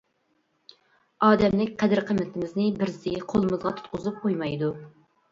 ئادەملىك قەدىر-قىممىتىمىزنى بىرسى قولىمىزغا تۇتقۇزۇپ قويمايدۇ.